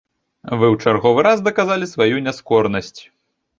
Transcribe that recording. Вы ў чарговы раз даказалі сваю няскоранасць.